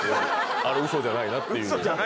あれ、うそじゃないなっていう。